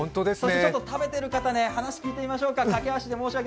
食べてる人に話を聞いてみましょうか。